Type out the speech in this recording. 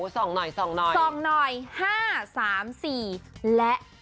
ส่องหน่อยส่องหน่อย๕๓๔และ๗๑